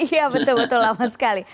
iya betul betul lama sekali